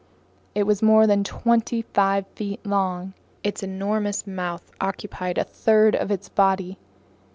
It was more than twenty five feet long; its enormous mouth occupied a third of its body.